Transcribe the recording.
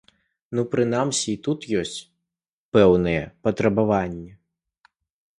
Ну, прынамсі і тут ёсць пэўныя патрабаванні.